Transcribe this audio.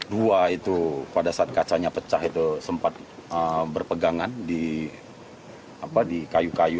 dua itu pada saat kacanya pecah itu sempat berpegangan di kayu kayu